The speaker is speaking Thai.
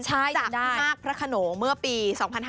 ใช่ได้จากภาคพระโขโหนเมื่อปี